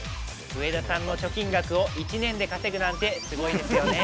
上田さんの貯金額を１年で稼ぐなんてすごいですよね。